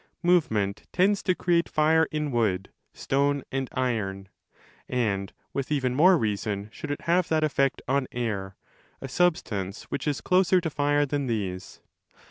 Movement tends to create fire in wood, stone, and iron; and with even more reason should it have that effect on air, a substance which is closer to fire than these.